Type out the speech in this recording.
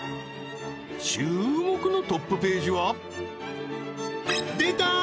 注目のトップページは出たー！